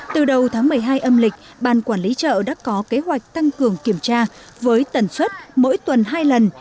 từ đầu tháng một mươi hai âm lịch ban quản lý chợ đã có kế hoạch tăng cường kiểm tra với tần suất mỗi tuần hai lần